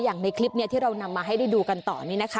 อย่างในคลิปเนี้ยที่เรานำมาให้ได้ดูกันตอนนี้นะคะ